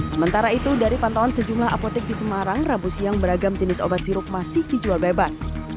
sementara itu dari pantauan sejumlah apotek di semarang rabu siang beragam jenis obat sirup masih dijual bebas